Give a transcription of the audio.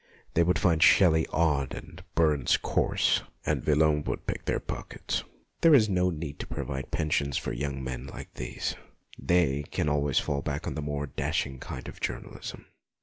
They would find Shelley odd and Burns coarse, and Villon would pick their pockets. There is no need to provide pensions for young men like these ; they, can always fall back on the more dashing kind of journalism.